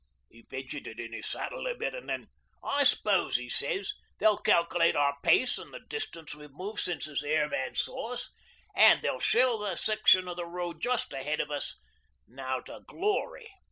He fidgeted in his saddle a bit, an' then, "I suppose," he sez, "they'll calculate our pace an' the distance we've moved since this airman saw us, an' they'll shell the section o' road just ahead of us now to glory.